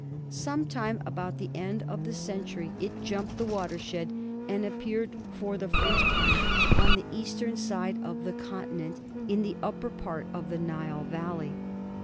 Some time about the end of the century it jumped the watershed and appeared for the first time on the eastern side of the continent, in the upper part of the Nile Valley.